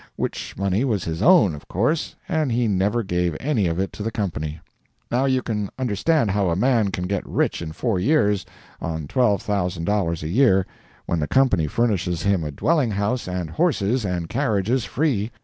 Which money was his own, of course, and he never gave any of it to the company. Now you can understand how a man can get rich in four years, on twelve thousand dollars a year, when the company furnishes him a dwelling house and horses and carriages free.